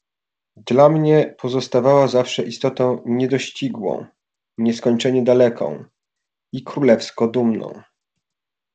"Dla mnie pozostawała zawsze istotą niedościgłą, nieskończenie daleką, i królewsko dumną."